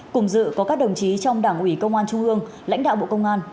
cùng dự có các đồng chí trong đảng ủy công an trung ương lãnh đạo bộ công an